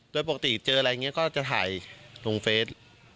โดยปกติเจออะไรอย่างนี้ก็จะถ่ายลงเฟส